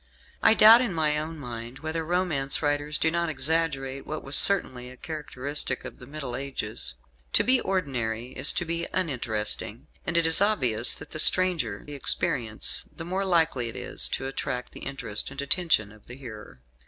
I doubt in my own mind whether romance writers do not exaggerate what was certainly a characteristic of the Middle Ages. To be ordinary is to be uninteresting; and it is obvious that the stranger the experience, the more likely is it to attract the interest and attention of the hearer.